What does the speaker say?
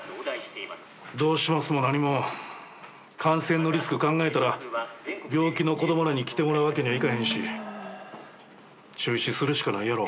どうしますも何も感染のリスク考えたら病気の子供らに来てもらうわけにはいかへんし。中止するしかないやろ。